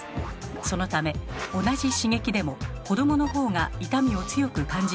そのため同じ刺激でも子どものほうが痛みを強く感じているのです。